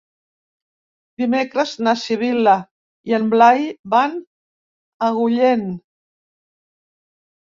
Dimecres na Sibil·la i en Blai van a Agullent.